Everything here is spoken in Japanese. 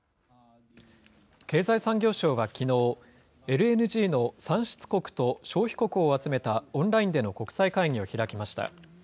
経済産業省はきのう、ＬＮＧの産出国と消費国を集めたオンラインでの国際会議を開きました。